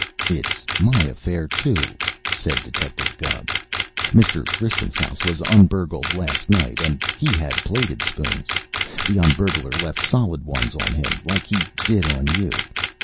"It's my affair too," said Detective Gubb. "Mr. Griscom's house was un burgled last night, and he had plated spoons. The un burglar left solid ones on him, like he did on you.